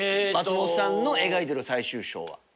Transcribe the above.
松本さんの描いてる最終章は。